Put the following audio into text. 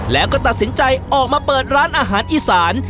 แล้วก็ตัดสินใจออกมาเปิดร้านอาหารอีสาน